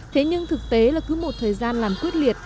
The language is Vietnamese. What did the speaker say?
thế nhưng thực tế là cứ một thời gian làm quyết liệt